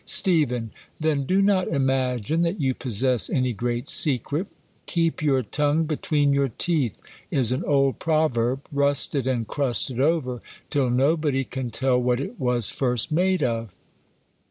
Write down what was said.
Stepk. Then, do not imagine that you possess any great secret. " Keep your tongue between your teeth" is an old proverb, rusted and crusted over, till nobody can" tell what it was first made of.